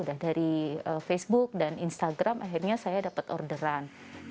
dan dari facebook dan instagram akhirnya saya dapat orderan